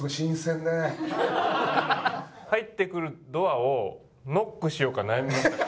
入ってくるドアをノックしようか悩みました。